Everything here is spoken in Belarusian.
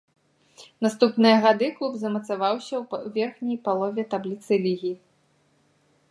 Наступныя гады клуб замацаваўся ў верхняй палове табліцы лігі.